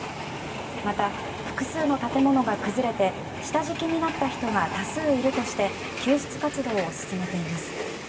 また複数の建物が崩れて下敷きになった人が多数いるとして救出活動を進めています。